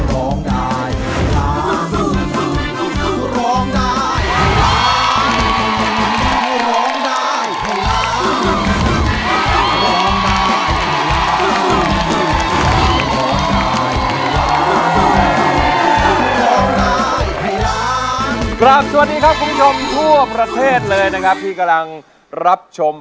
ร้องได้ให้ล้าน